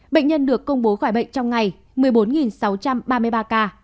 bệnh nhân được công bố khỏi bệnh trong ngày một mươi bốn sáu trăm ba mươi ba ca